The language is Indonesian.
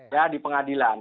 ya di pengadilan